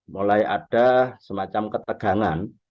mulai ada semacam ketegangan